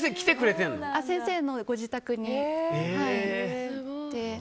先生のご自宅に行って。